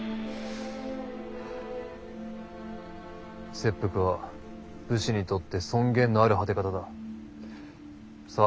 切腹は武士にとって尊厳のある果て方だ。さあ。